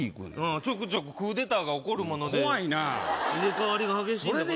ちょくちょくクーデターが起こるもので怖いな入れ替わりが激しいんでございます